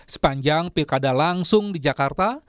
sepanjang pilkada langsung di jakarta